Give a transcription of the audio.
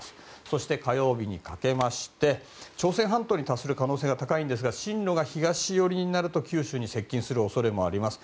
そして火曜日にかけまして朝鮮半島に達する可能性が高いんですが進路が東寄りになると九州に接近する恐れもあります。